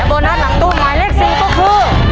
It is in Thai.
โอ้โห